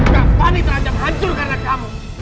gapani terancam hancur karena kamu